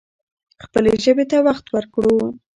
خپلې ژبې ته وخت ورکړو.